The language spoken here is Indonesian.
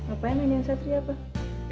apa yang hanya satria pak